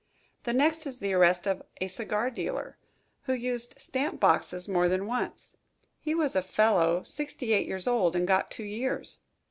The next is the arrest of a cigar dealer, who used stamped boxes more than once. He was a fellow sixty eight years old and got two years.